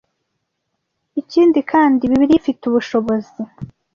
Ikindi kandi, Bibiliya ifite ubushobozi